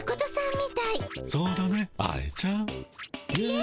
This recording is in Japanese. そうだね愛ちゃん。